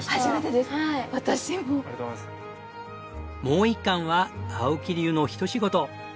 もう一貫は青木流のひと仕事。